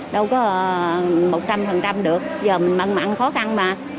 đâu có một trăm linh được do mặn mặn khó khăn mà